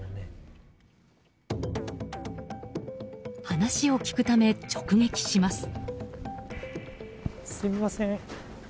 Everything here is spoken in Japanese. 話を聞くため、直撃します。